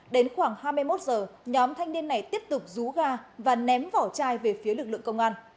đến khoảng hai mươi một h nhóm thanh niên này tiếp tục rú ga và ném vỏ chai về phía lực lượng công an